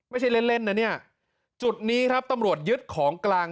ไม่ใช่เล่นเล่นนะเนี่ยจุดนี้ครับตำรวจยึดของกลาง